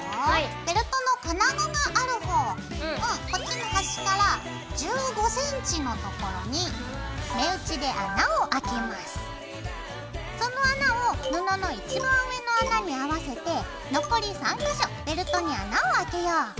ベルトの金具がある方をこっちの端から１５ｃｍのところにその穴を布の一番上の穴に合わせて残り３か所ベルトに穴をあけよう。